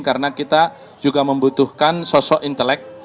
karena kita juga membutuhkan sosok intelek